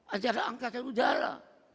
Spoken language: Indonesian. ajara angkatan udara